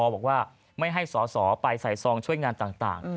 บอกว่าไม่ให้สอสอไปใส่ซองช่วยงานต่าง